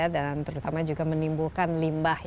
dan terutama juga menimbulkan limbah